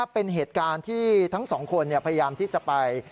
เป็นเหตุการณ์ที่ทั้งสองคนพยายามที่จะไป